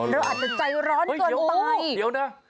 เราอาจจะใจร้อนกว่าเมื่อกี้